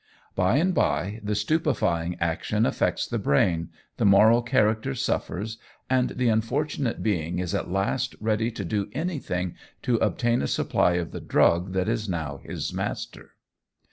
By and by the stupefying action affects the brain, the moral character suffers, and the unfortunate being is at last ready to do anything to obtain a supply of the drug that is now his master.